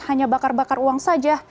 hanya bakar bakar uang saja